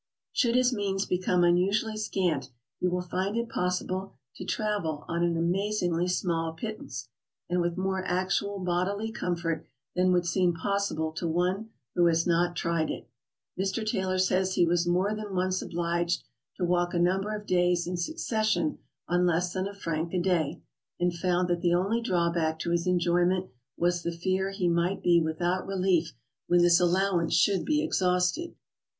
Should his means become unusually scant, he will find it possible to travel on an amazingly small pittance, and with more actual bodily comfort than would seem possible to one who has not tried it. Mr. Taylor says he was more than once obliged to walk a number of days in succession on less than a franc a day, and found that the only drawback to his enjoyment was the fear he might be without relief when this allowance should be exhausted.